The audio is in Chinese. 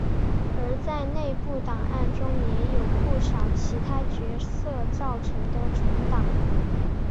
而在内部档案中也有不少其他角色造成的存档。